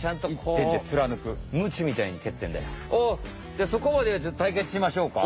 じゃあそこまで言うんじゃ対決しましょうか。